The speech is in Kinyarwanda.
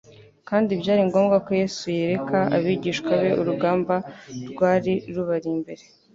kandi byari ngombwa ko Yesu yereka abigishwa be urugamba rwari rubari imbere.